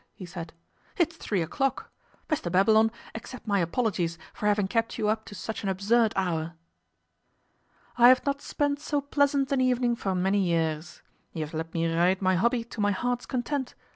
he said. 'It's three o'clock. Mr Babylon, accept my apologies for having kept you up to such an absurd hour.' 'I have not spent so pleasant an evening for many years. You have let me ride my hobby to my heart's content.